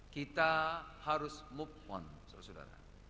kita harus move on saudara saudara